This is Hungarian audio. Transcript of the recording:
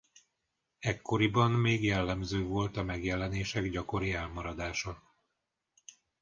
Ekkoriban még jellemző volt a megjelenések gyakori elmaradása.